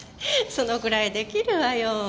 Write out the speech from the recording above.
そのぐらい出来るわよ。